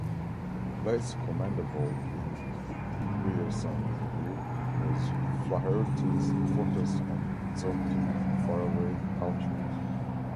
Less commendable in Grierson's view was Flaherty's focus on exotic and faraway cultures.